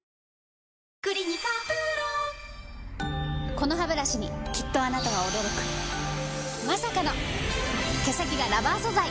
このハブラシにきっとあなたは驚くまさかの毛先がラバー素材！